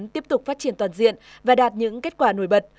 tiếp tục phát triển toàn diện và đạt những kết quả nổi bật